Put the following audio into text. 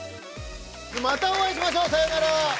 またお会いしましょう。さようなら！